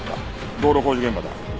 道路工事現場だ。